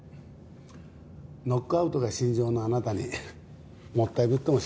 ノックアウトが身上のあなたにもったいぶっても仕方ないよね。